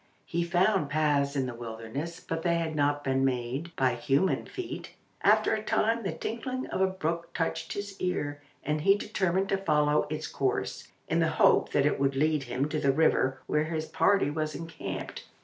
He found paths in the wilderness, but they had not been made by human feet. After a time the tinkling of a brook touched his ear, and he determined to follow its course, in the hope that it would lead him to the river where his party was encamped.